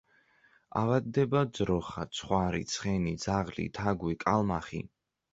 ავადდება ძროხა, ცხვარი, ცხენი, ძაღლი, თაგვი, კალმახი.